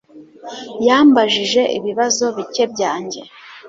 Yambajije ibibazo bike byanjye